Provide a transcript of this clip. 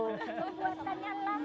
membuatannya lama sih